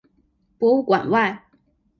博物馆外